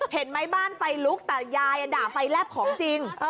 เห็นไหมบ้านไฟลุกแต่ยายด่าไฟแลบของจริง